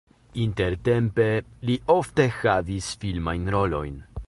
Intertempe li ofte havis filmajn rolojn.